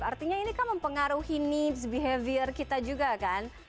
artinya ini kan mempengaruhi needs behavior kita juga kan